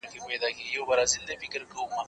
زه له سهاره سړو ته خواړه ورکوم،